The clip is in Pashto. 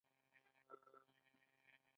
د پکتیکا جلغوزي ډیر کیفیت لري.